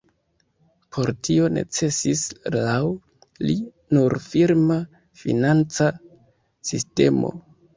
Por tio necesis laŭ li nur firma financa sistemo.